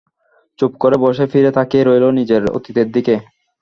চুপ করে বসে ফিরে তাকিয়ে রইল নিজের অতীতের দিকে।